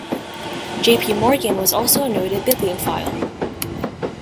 J. P. Morgan was also a noted bibliophile.